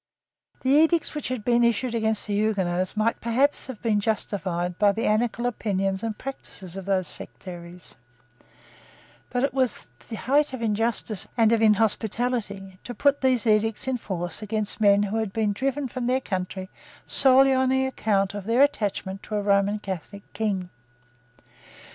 The edicts which had been issued against the Huguenots might perhaps have been justified by the anarchical opinions and practices of those sectaries; but it was the height of injustice and of inhospitality to put those edicts in force against men who had been driven from their country solely on account of their attachment to a Roman Catholic King.